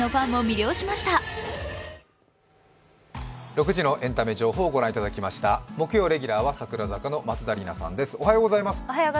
６時のエンタメ情報をご覧いただきました木曜レギュラーは櫻坂の松田里奈さんです。